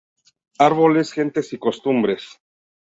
Árboles, gentes y costumbres.